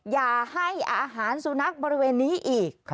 อย่าให้อาหารสุนัขบริเวณนี้อีก